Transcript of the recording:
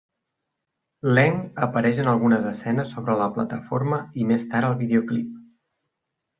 Leng apareix en algunes escenes sobre la plataforma i més tard al videoclip.